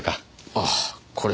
あぁこれ。